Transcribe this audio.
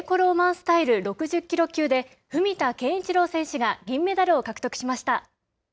スタイル６０キロ級で文田健一郎選手が銀メダルを獲得しました。